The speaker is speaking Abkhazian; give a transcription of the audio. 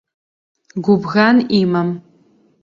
Гәыбӷан имам.